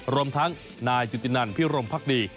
รวมทั้งนายจุตินันพิรมพักดี